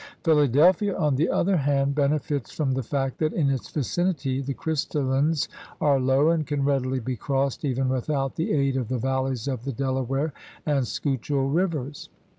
Philadelphia, on the other hand, benefits from the fact that in its vicinity the crys tallines are low and can readily be crossed even without the aid of the valleys of the Delaware and Schuylkill rivers.